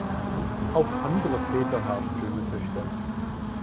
Auch andere Väter haben schöne Töchter.